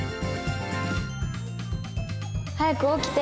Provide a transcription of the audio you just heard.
早く起きて！